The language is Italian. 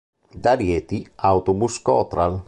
Da Rieti: autobus Cotral.